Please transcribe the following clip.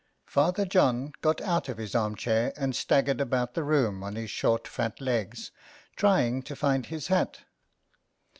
Father John got out of his arm chair and staggered about the room on his short fat legs, trying to find his hat.